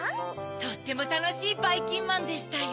・とってもたのしいばいきんまんでしたよ。